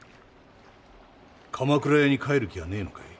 鎌倉屋に帰る気はねえのかい？